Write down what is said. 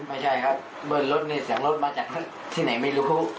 ไม่ใช่ครับเบิ้ลรถนี่เสียงรถมาจากที่ไหนไม่รู้